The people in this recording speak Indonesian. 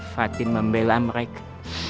fatin membela mereka